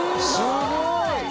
すごい！